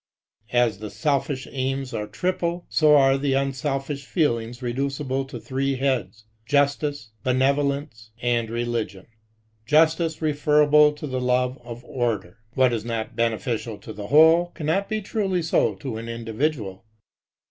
As the selfish aims are triple, so are the un selfish feelings reducible to three heads : justice, benevolence (menneskekjerlyhed)^ and religion. Justice referable to the love of order. What is 158 NATIONAL MOBALITY. not beneficial to the whole, cannot be truly so to an individual.